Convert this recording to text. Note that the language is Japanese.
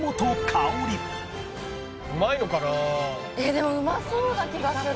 でもうまそうな気がする。